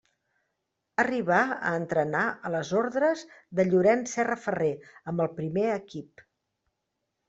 Arribà a entrenar a les ordres de Llorenç Serra Ferrer amb el primer equip.